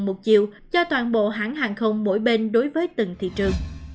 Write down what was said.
một chiều cho toàn bộ hãng hàng không mỗi bên đối với từng thị trường